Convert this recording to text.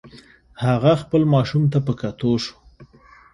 هغه خپل ماشوم ته په کتو شو.